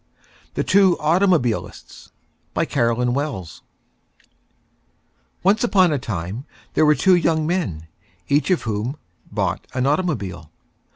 THE TWO AUTOMOBILISTS BY CAROLYN WELLS Once on a Time there were Two Young Men, each of whom Bought an Automobile.